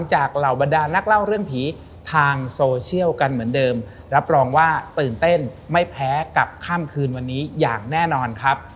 เหล่าบรรดานักเล่าเรื่องผีทางโซเชียลกันเหมือนเดิมรับรองว่าตื่นเต้นไม่แพ้กับค่ำคืนวันนี้อย่างแน่นอนครับ